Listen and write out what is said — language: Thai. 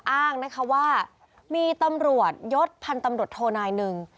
อ้างนะคะว่ามีตำรวจยศพันธ์ตำรวจโทนายหนึ่ง